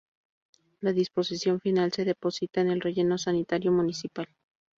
La disposición final se deposita en el relleno sanitario municipal.